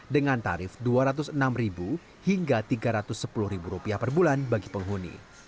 dengan tarif rp dua ratus enam hingga rp tiga ratus sepuluh per bulan bagi penghuni